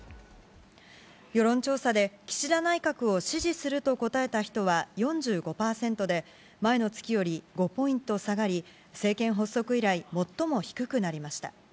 世論調査で、岸田内閣を支持すると答えた人は４５％で、前の月より５ポイント下がり、政権発足以来、最も低くなりました。